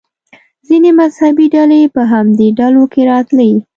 ځینې مذهبي ډلې په همدې ډلو کې راتلې.